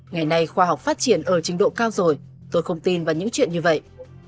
ngày nay khoa học phát triển ở trình độ cao rồi tôi không tin vào những chuyện như vậy